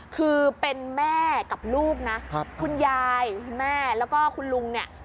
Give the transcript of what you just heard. คือเป็นแม่กับลูกนะคุณยายคุณแม่แล้วก็คุณลุงเนี่ย